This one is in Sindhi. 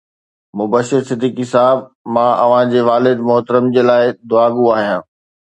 مبشر صديقي صاحب، مان اوهان جي والد محترم جي لاءِ دعاگو آهيان